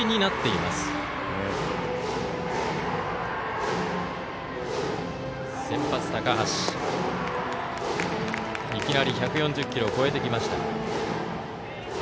いきなり１４０キロを超えてきた。